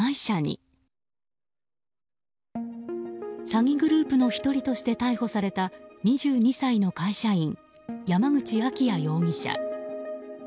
詐欺グループの１人として逮捕された２２歳の会社員山口秋也容疑者。